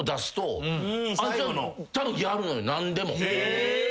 何でも。